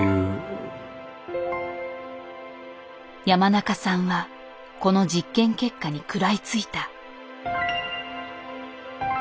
山中さんはこの実験結果に食らいついた。